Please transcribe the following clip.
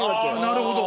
なるほど。